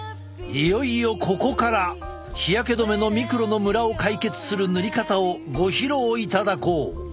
いよいよここから日焼け止めのミクロのムラを解決する塗り方をご披露いただこう！